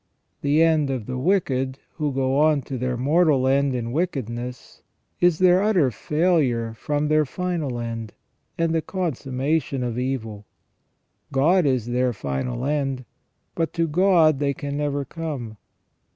The end of the wicked w^ho go on to their mortal end in wickedness is their utter failure from their final end, and the consummation of evil. God is their final end, but to God they can never come.